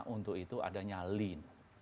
untuk itu adanya lean